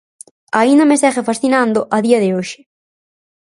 Aínda me segue fascinando a día de hoxe.